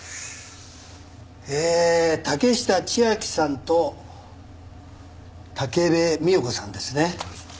えーっ竹下千晶さんと武部美代子さんですね。